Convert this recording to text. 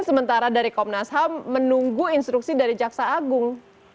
sementara dari komnas ham menunggu instruksi dari jaksa agung